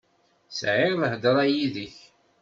Sɛiɣ lhedra yid-k.